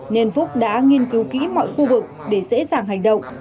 nên phúc đã nghiên cứu kỹ mọi khu vực để dễ dàng hành động